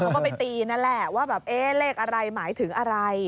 เขาก็ไปตีนั่นแหละว่าแบบเอ๊ะเลขอะไรหมายถึงอะไร